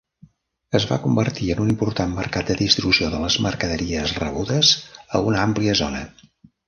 Es va convertir en un important mercat de distribució de les mercaderies rebudes a una àmplia zona.